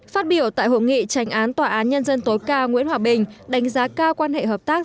phát biểu tại hội nghị tranh án tòa án nhân dân tối cao nguyễn hòa bình đánh giá cao quan hệ hợp tác